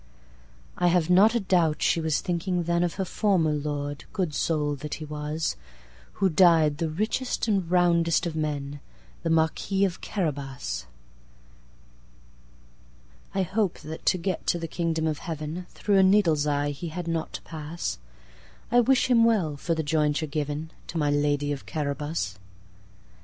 I have not a doubt she was thinking thenOf her former lord, good soul that he was! Who died the richest and roundest of men, The Marquis of Carabas.I hope that, to get to the kingdom of heaven, Through a needle's eye he had not to pass.I wish him well, for the jointure givenTo my lady of Carabas.